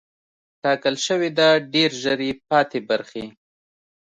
ټاکل شوې ده ډېر ژر یې پاتې برخې